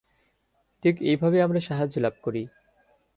ঠিক এইভাবেই আমরা সাহায্য লাভ করি।